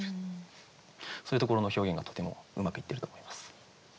そういうところの表現がとてもうまくいってると思います。